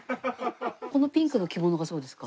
このピンクの着物がそうですか？